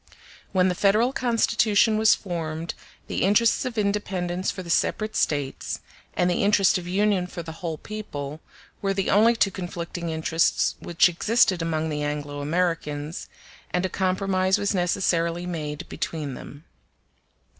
When the Federal Constitution was formed, the interests of independence for the separate States, and the interest of union for the whole people, were the only two conflicting interests which existed amongst the Anglo Americans, and a compromise was necessarily made between them.